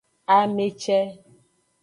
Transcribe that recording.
Ame ce.